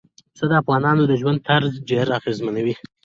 پسه د افغانانو د ژوند طرز ډېر اغېزمنوي.